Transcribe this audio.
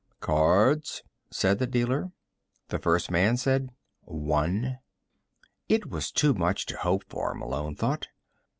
"Cards?" said the dealer. The first man said: "One." It was too much to hope for, Malone thought.